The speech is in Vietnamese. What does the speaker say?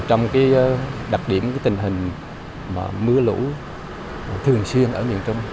trong đặc điểm tình hình mưa lũ thường xuyên ở miền trung